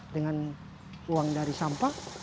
dengan uang dari sampah